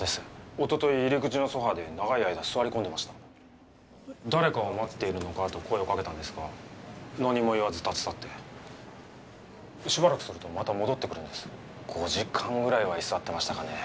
おととい入り口のソファーで長い間座り込んでました誰かを待っているのか？と声をかけたんですが何も言わず立ち去ってしばらくするとまた戻ってくるんです５時間ぐらいは居座ってましたかね